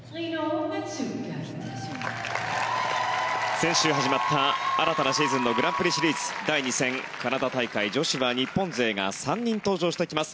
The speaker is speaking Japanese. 先週始まった新たなシーズンのグランプリシリーズ第２戦カナダ大会女子は日本勢が３人登場してきます。